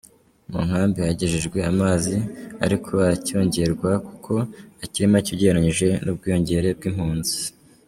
Mu nkambi hagejejwe amazi ariko aracyongerwa kuko akiri make ugereranije n’ubwiyongere bw’impunzi.